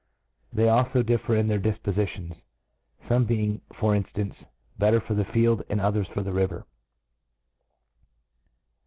They alfo differ in thier difpofitions j fomc being, for inflance, better for the field, and others for the rivtr.